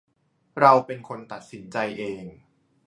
เราเป็นคนตัดสินใจเอง